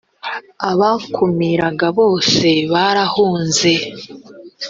abakumiraga bose barahunze.